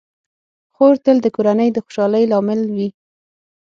خور تل د کورنۍ د خوشحالۍ لامل وي.